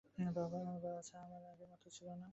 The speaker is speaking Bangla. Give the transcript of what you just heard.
বাছা আমার তো আগে এমন ছিল না।